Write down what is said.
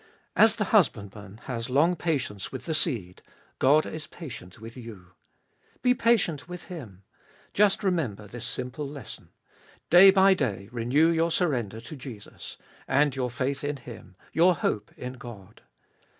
As the husbandman has long patience with the seed, God is patient with you. Be patient with Him. Just remember this simple lesson. Day by day renew your surrender to Jesus, and your faith in Him— your hops in God.